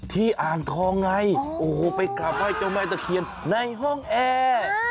ที่อ่านทองไงไปกลับไหว้เจ้าแม่ตะเคียนในห้องแอ